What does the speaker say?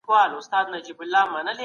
سور رنګ د خطر نښه ده.